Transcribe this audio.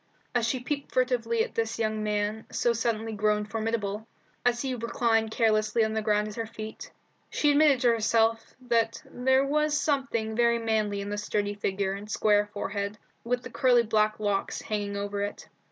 As she peeped furtively at this young man, so suddenly grown formidable, as he reclined carelessly on the ground at her feet, she admitted to herself that there was something very manly in the sturdy figure and square forehead, with the curly black locks hanging over it.